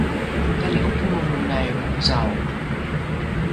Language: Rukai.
tali’oponohonai ocao